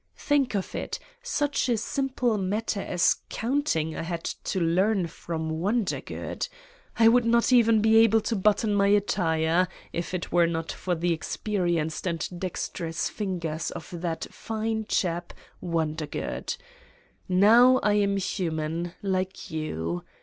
Think of it : such a simple matter as count ing I had to learn from Wondergood. I would not even be able to button my attire if it were not for the experienced and dexterous fingers of that fine chap Wondergood ! Now I am human, like you.